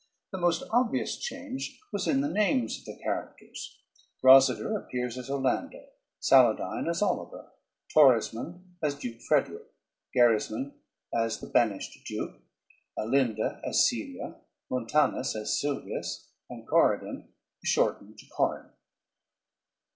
The most obvious change was in the names of the characters. Rosader appears as Orlando, Saladyne as Oliver, Torismond as Duke Frederick, Gerismond as the banished Duke, Alinda as Celia, Montanus as Silvius, and Corydon is shortened to Corin.